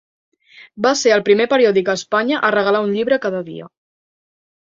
Va ser el primer periòdic a Espanya a regalar un llibre cada dia.